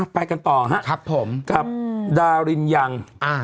ไปกันต่อครับผมกับดารินยัง